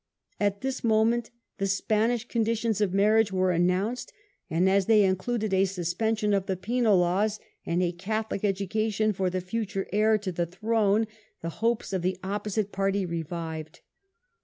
At this moment the Spanish conditions of marriage were announced, and as they included a suspension of the Penal laws and a Catholic education for the future heir to the throne, the hopes of the opposite party revived.